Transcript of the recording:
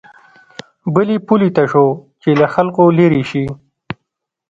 بلې پولې ته شو چې له خلکو لېرې شي.